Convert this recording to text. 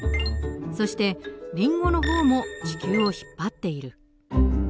そしてリンゴの方も地球を引っ張っている。